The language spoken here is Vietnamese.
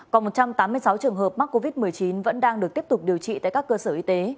còn một trăm tám mươi sáu trường hợp mắc covid một mươi chín vẫn đang được tiếp tục điều trị tại các cơ sở y tế